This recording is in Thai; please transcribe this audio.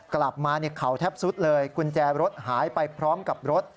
กลับมาเขาแทบสุดเลยกุญแจรถหายไปพร้อมกับรถ